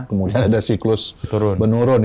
kemudian ada siklus menurun